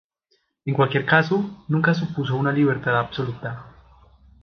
En cualquier caso, nunca supuso una libertad absoluta.